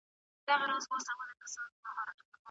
ده غوښتل چې خپله یوازیتوب له مانا څخه ډک کړي.